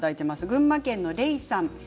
群馬県の方からです。